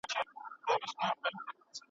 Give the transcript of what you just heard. که باد وي نو حرکت نه ودریږي.